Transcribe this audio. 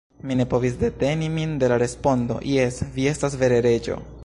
Mi ne povis deteni min de la respondo: "Jes, vi estas vere Reĝo."